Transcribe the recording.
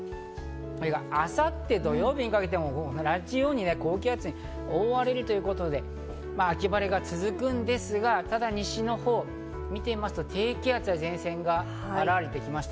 これが明後日、土曜日にかけても同じように高気圧に覆われるということで、秋晴れが続くんですが、ただ西のほうを見てみると低気圧や前線が現れてきました。